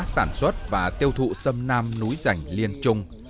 sản xuất và tiêu thụ sâm nam núi rành liên trung